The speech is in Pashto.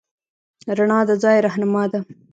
رڼا د ځای رهنما ده.